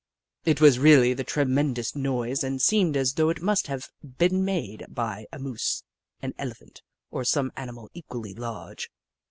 It was really a tremendous noise and seemed as though it must have been made by a Moose, an Elephant, or some animal equally large.